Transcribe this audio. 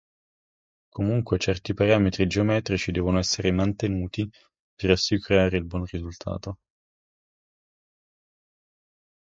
Comunque, certi parametri geometrici devono essere mantenuti per assicurare il buon risultato.